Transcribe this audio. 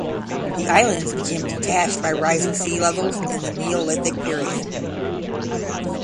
The islands became detached by rising sea levels in the Neolithic period.